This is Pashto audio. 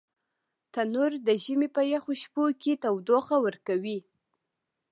تنور د ژمي په یخو شپو کې تودوخه ورکوي